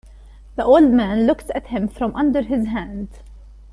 The old man looks at him from under his hand.